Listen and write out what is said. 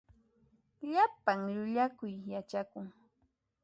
Llapan llullakuy yachakun.